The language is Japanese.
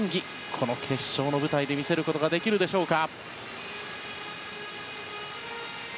この決勝の舞台で見せることができるでしょうか。